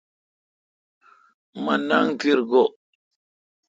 مہ ننگ تیرا گو°